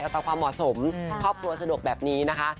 ตามความเหมาะสมครอบครัวสะดวกแบบนี้นะคะ